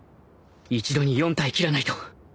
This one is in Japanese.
一度に４体斬らないと